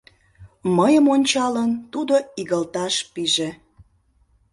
Мыйым ончалын, тудо игылташ пиже: